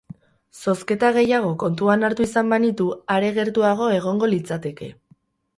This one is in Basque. Zozketa gehiago kontuan hartu izan banitu, are gertuago egongo litzateke.